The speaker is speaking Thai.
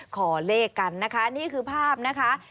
ขอเลขกันนะคะนี่คือภาพนะคะ